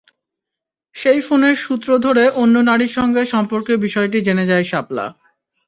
সেই ফোনের সূত্র ধরে অন্য নারীর সঙ্গে সম্পর্কের বিষয়টি জেনে যায় শাপলা।